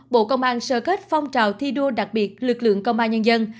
bộ công an sơ kết phong trào thi đua đặc biệt lực lượng công an nhân dân